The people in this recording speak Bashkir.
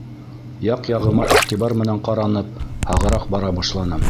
Яҡ-яғыма иғтибар менән ҡаранып, һағыраҡ бара башланым.